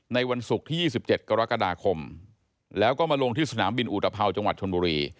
วันศุกร์ที่๒๗กรกฎาคมแล้วก็มาลงที่สนามบินอุตภาวจังหวัดชนบุรี